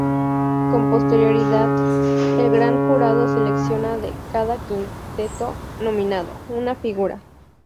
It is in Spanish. Con posterioridad el Gran Jurado selecciona de cada quinteto nominado, una figura.